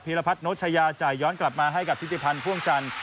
ภีรพัฒน์โนชัยาจะย้อนกลับมาให้กับธิติพันธ์พ่วงจันทร์